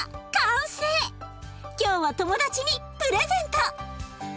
今日は友達にプレゼント！